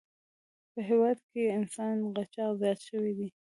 په هېواد کې انساني قاچاق زیات شوی دی.